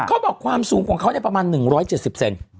เขาบอกความสูงของเขาเนี่ยประมาณ๑๗๐เซนติเซน